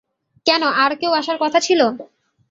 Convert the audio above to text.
কেন আর কেউ আসার কথা ছিলো?